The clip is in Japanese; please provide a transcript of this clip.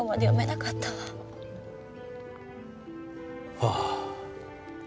ああ。